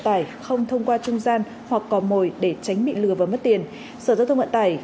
tải không thông qua trung gian hoặc cò mồi để tránh bị lừa và mất tiền sở giao thông vận tải